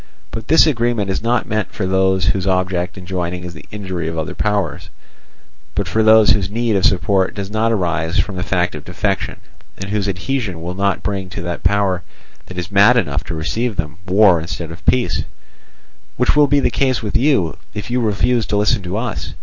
But this agreement is not meant for those whose object in joining is the injury of other powers, but for those whose need of support does not arise from the fact of defection, and whose adhesion will not bring to the power that is mad enough to receive them war instead of peace; which will be the case with you, if you refuse to listen to us.